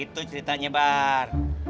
itu ceritanya bar